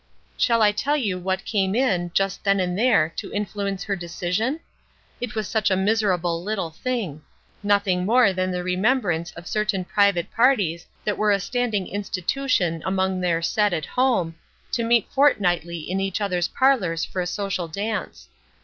Shall I tell you what came in, just then and there, to influence her decision? It was such a miserable little thing nothing more than the remembrance of certain private parties that were a standing institution among "their set" at home, to meet fortnightly in each other's parlors for a social dance.